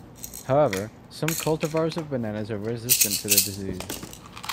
However, some cultivars of bananas are resistant to the disease.